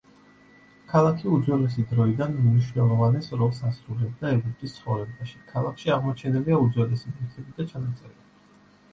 ქალაქი უძველესი დროიდან უმნიშვნელოვანეს როლს ასრულებდა ეგვიპტის ცხოვრებაში, ქალაქში აღმოჩენილია უძველესი ნივთები და ჩანაწერები.